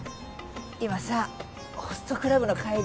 今さホストクラブの帰り。